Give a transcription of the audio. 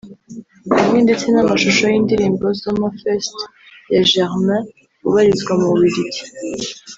hamwe ndetse n’amashusho y’indirimbo Zomerfeest ya Germain ubarizwa mu Bubiligi